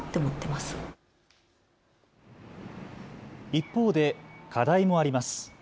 一方で課題もあります。